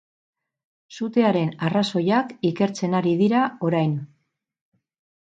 Sutearen arrazoiak ikertzen ari dira orain.